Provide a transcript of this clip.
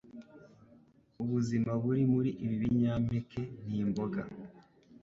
Ubuzima buri muri ibi binyampeke n’imboga